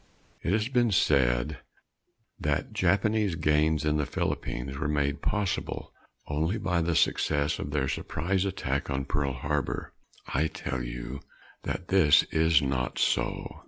It has been said that Japanese gains in the Philippines were made possible only by the success of their surprise attack on Pearl Harbor. I tell you that this is not so.